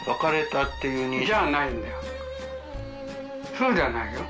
そうじゃないよ。